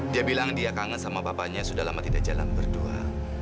dia bilang dia kangen sama bapaknya sudah lama tidak jalan berdua